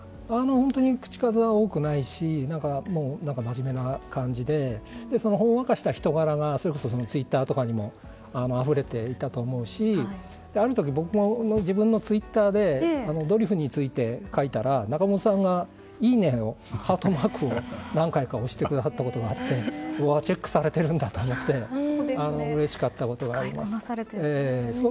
本当に口数は多くないし真面目な感じでほんわかした人柄がそれこそツイッターとかでもあふれていたと思うしある時、僕が自分のツイッターでドリフについて書いたら仲本さんがいいねを、ハートマークを何回か押してくださったことがあってチェックされているんだと思ってうれしかったことがあります。